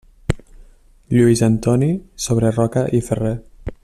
Lluís Antoni Sobreroca i Ferrer.